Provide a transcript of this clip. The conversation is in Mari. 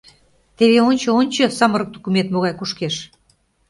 — Теве, ончо-ончо, самырык тукымет могай кушкеш?..